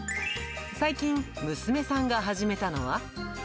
最近、娘さんが始めたのは。